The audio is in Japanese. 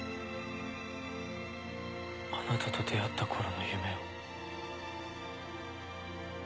あなたと出会った頃の夢を。